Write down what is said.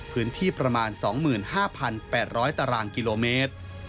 พื้นที่ประมาณ๒๕๘๐๐ตารางกิโลเมตร